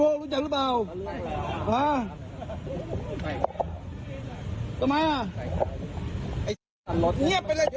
ทำมันกับผมผมว่าเนี้ย